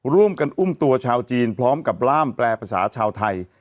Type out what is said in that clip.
ร่วมกันอุ้มตัวชาวจีนพร้อมกับร่ามแปลภาษาชาวไทย